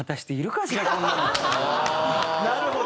なるほど。